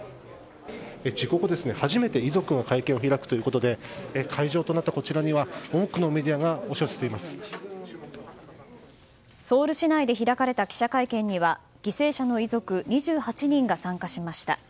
事故後初めて遺族が会見を開くということで会場となったこちらには多くのメディアがソウル市内で開かれた記者会見には犠牲者の遺族２８人が参加しました。